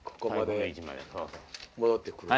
戻ってくると。